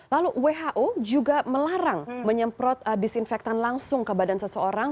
lalu who juga melarang menyemprot disinfektan langsung ke badan seseorang